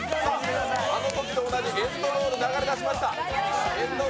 あのときと同じエンドロール流れだしました。